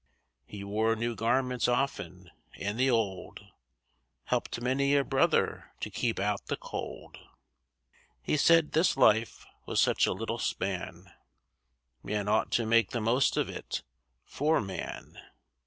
He wore new garments often, and the old Helped many a brother to keep out the cold. He said this life was such a little span Man ought to make the most of it,—for man.